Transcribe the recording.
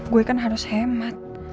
gue kan harus hemat